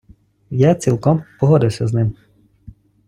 Я цілком погодився з ним.